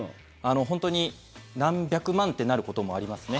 本当に何百万ってなることもありますね。